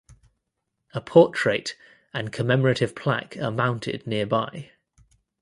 A portrait and commemorative plaque are mounted nearby.